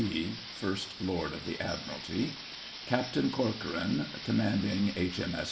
C.B. (First Lord of the Admiralty). CAPTAIN CORCORAN (Commanding H.M.S.